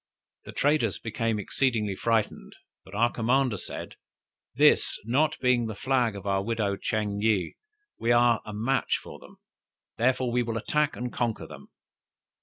The traders became exceedingly frightened, but our commander said, This not being the flag of the widow Ching yih, we are a match for them, therefore we will attack and conquer them.